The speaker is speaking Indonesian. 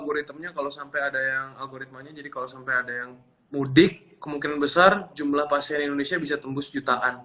karena ada data valid terbaru kan algoritmanya kalau sampai ada yang mudik kemungkinan besar jumlah pasien indonesia bisa tembus jutaan